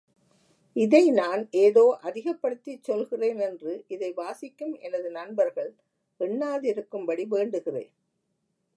இதை நான் ஏதோ அதிகப்படுத்திச் சொல்கிறே னென்று இதை வாசிக்கும் எனது நண்பர்கள் எண்ணாதிருக்கும் படி வேண்டுகிறேன்.